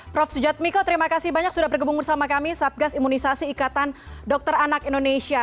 prof sujatmiko terima kasih banyak sudah bergabung bersama kami satgas imunisasi ikatan dokter anak indonesia